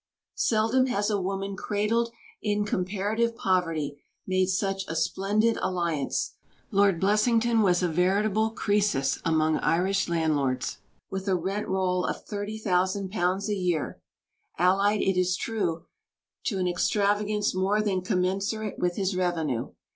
Seldom has a woman cradled in comparative poverty made such a splendid alliance. Lord Blessington was a veritable Croesus among Irish landlords, with a rent roll of £30,000 a year; allied, it is true, to an extravagance more than commensurate with his revenue.